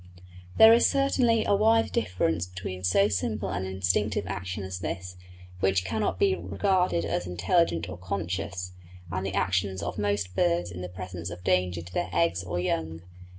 There is certainly a wide difference between so simple an instinctive action as this, which cannot be regarded as intelligent or conscious, and the actions of most birds in the presence of danger to their eggs or young.